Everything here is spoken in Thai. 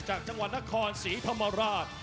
จากจังหวัดนครศรีธรรมราช